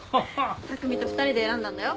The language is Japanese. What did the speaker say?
匠と２人で選んだんだよ。